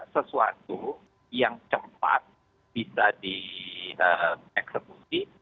sesuatu yang cepat bisa dieksekusi